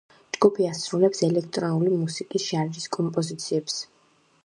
ჯგუფი ასრულებს ელექტრონული მუსიკის ჟანრის კომპოზიციებს.